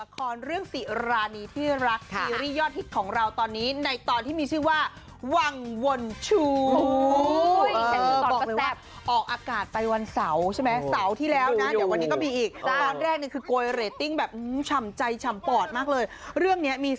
ปรบมือกับทีมงานแล้วก็นักแสดงจากละครเรื่อง